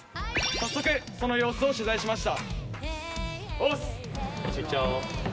早速、その様子を取材しました。